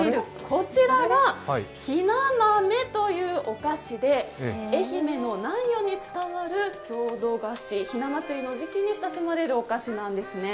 こちらがひな豆というお菓子で愛媛の南予に伝わる郷土菓子、ひな祭りのときに親しまれるお菓子なんです。